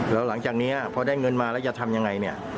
แล้วหลังจากนี้เพราะได้เงินมาแล้วจะทำอย่างไร